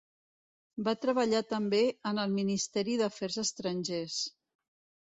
Va treballar també en el Ministeri d'Afers Estrangers.